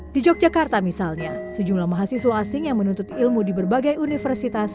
di yogyakarta misalnya sejumlah mahasiswa asing yang menuntut ilmu di berbagai universitas